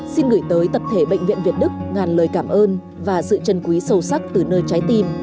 xin gửi tới tập thể bệnh viện việt đức ngàn lời cảm ơn và sự chân quý sâu sắc từ nơi trái tim